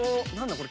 これ。